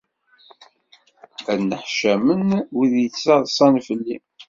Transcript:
Ad nneḥcamen, wid yettaḍsan fell-i!